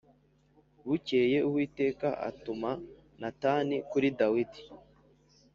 Bukeye Uwiteka atuma Natani kuri Dawidi